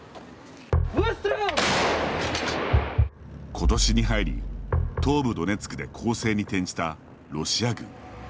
今年に入り東部ドネツクで攻勢に転じたロシア軍。